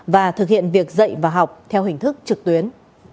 và thực hiện việc dạy và học theo hình thức trực tuyến